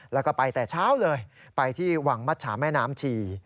แล้วก็ไปแต่เช้าเลยไปที่วังมัชชาแม่น้ำชี